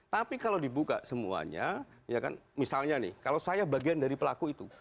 tapi kalau dibuka semuanya ya kan misalnya nih kalau saya bagian dari pelaku itu